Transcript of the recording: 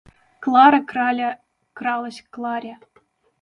Клара-краля кралась к Ларе.